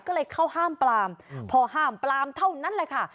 ก็เลยเข้าห้ามปลามพอห้ามปลามเท่านั้นแหละค่ะ